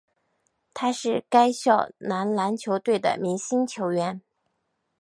他是该校男篮校队的明星球员。